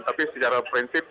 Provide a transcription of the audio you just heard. tapi secara prinsip